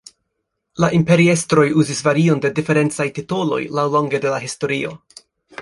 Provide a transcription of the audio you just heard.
La imperiestroj uzis varion de diferencaj titoloj laŭlonge de la historio.